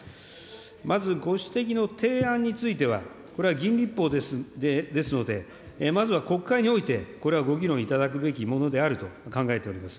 まずご指摘の提案については、これは議員立法ですので、まずは国会において、これはご議論いただくべきものであると考えております。